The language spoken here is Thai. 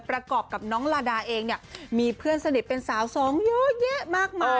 ประกอบกับน้องลาดาเองเนี่ยมีเพื่อนสนิทเป็นสาวสองเยอะแยะมากมาย